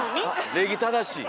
礼儀正しい。